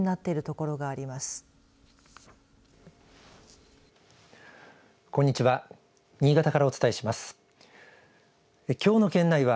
こんにちは。